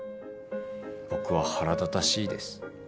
僕は腹立たしいです。